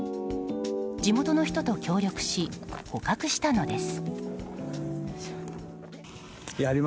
地元の人と協力し捕獲したのです。